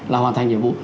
là hoàn thành nhiệm vụ